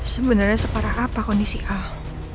sebenarnya separah apa kondisi ahok